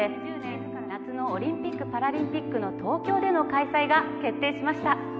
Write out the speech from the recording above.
２０２０年夏のオリンピックパラリンピックの東京での開催が決定しました。